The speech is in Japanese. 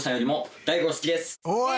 おい！